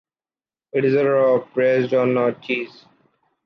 It is a raw, pressed or not, cheese.